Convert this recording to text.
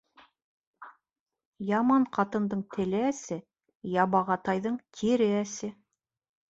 Яман ҡатындың теле әсе, ябаға тайҙың тире әсе.